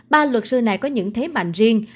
ba luật sư này có những thế mạnh riêng